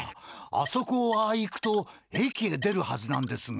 あそこをああ行くと駅へ出るはずなんですが。